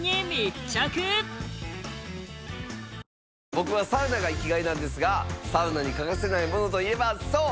僕はサウナが生きがいなんですがサウナに欠かせないものといえばそう！